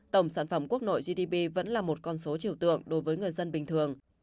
tổng sản phẩm quốc nội gdp vẫn là một con số chiều tượng đối với người dân bình thường